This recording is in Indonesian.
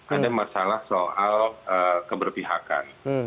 ada masalah soal keberpihakan